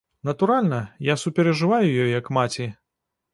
Натуральна, я суперажываю ёй як маці.